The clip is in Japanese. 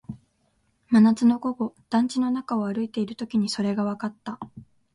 真夏の午後、団地の中を歩いているときにそれがわかった